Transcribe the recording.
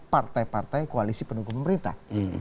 partai partai koalisi pendukung pemerintah